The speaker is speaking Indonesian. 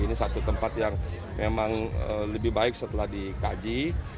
ini satu tempat yang memang lebih baik setelah dikaji